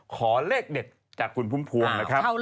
ขอเลขเด็ดจากคุณพุ่มพวงนะครับ